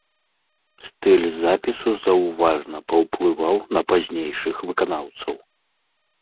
Стыль запісу заўважна паўплываў на пазнейшых выканаўцаў.